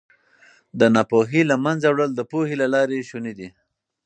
د ناپوهۍ له منځه وړل د پوهې له لارې شوني دي.